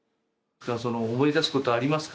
思い出すことはありますか？